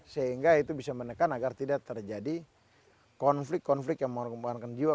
sehingga itu bisa menekan agar tidak terjadi konflik konflik yang mengorbankan jiwa